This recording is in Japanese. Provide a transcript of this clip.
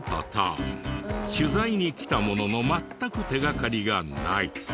取材に来たものの全く手掛かりがない。